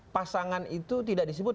pasangan itu tidak disebut